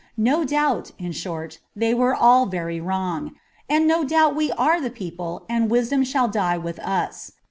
No doubt, in short, they were all very wrong, and no doubt we are the people and wisdom shall die with us.